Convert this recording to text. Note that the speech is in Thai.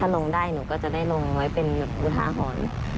ลงได้หนูก็จะได้ลงไว้เป็นอุทาหรณ์